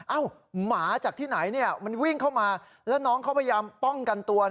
อ้าวหมาจากที่ไหนเนี้ยมันวิ่งเข้ามาแล้วน้องเขารพยามป้องกันตัวนะ